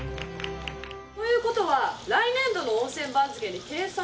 ということは来年度の温泉番付に掲載？